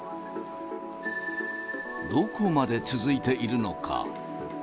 どこまで続いているのか。